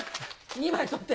２枚取って。